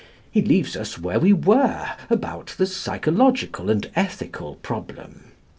He leaves us where we were about the psychological and ethical problem.